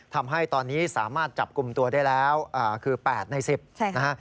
ทำให้ตอนนี้สามารถจับกลุ่มตัวได้แล้วอ่าคือแปดในสิบใช่ค่ะ